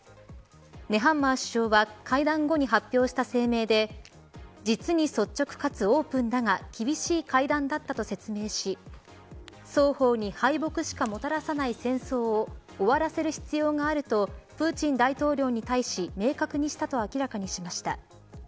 ネハンマー首相は会談後に発表した声明で実に率直かつオープンだが厳しい会談だったと説明し双方に敗北しかもたらさない戦争を終わらせる必要があるとプーチン大統領に対し明確にしたと明らかにしました。